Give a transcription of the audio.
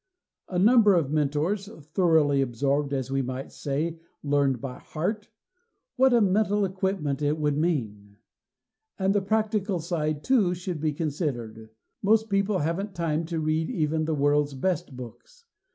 A number of Mentors thoroughly absorbed as we might say, "learned by heart" what a mental equipment it would mean! And the practical side, too, should be considered. Most people haven't time to read even the world's best books.